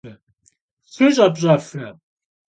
Şşı ş'epş'efre?